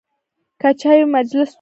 که چای وي، مجلس تود وي.